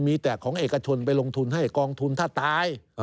มีแต่ของเอกชนไปลงทุนให้กองทุนถ้าตาย